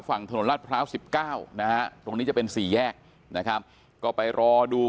ฝั่งถนนลาดพร้าว๑๙นะฮะตรงนี้จะเป็นสี่แยกนะครับก็ไปรอดู